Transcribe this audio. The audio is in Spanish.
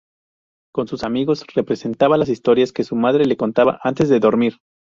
Con sus amigos, representaba las historias que su madre le contaba antes de dormir.